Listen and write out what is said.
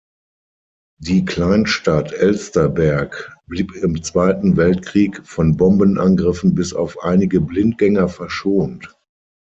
Die Kleinstadt Elsterberg blieb im Zweiten Weltkrieg von Bombenangriffen bis auf einige Blindgänger verschont.